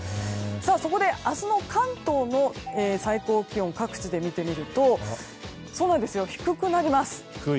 そこで明日の関東の最高気温各地で見てみると低くなります。